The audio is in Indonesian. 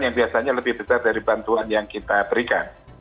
yang biasanya lebih besar dari bantuan yang kita berikan